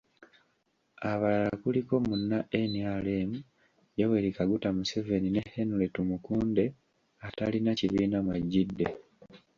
Abalala kuliko; Munna NRM Yoweri Kaguta Museveni ne Henry Tumukunde atalina kibiina kwagidde.